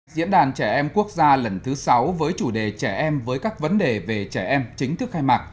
diễn đàn trẻ em quốc gia lần thứ sáu với chủ đề trẻ em với các vấn đề về trẻ em chính thức khai mạc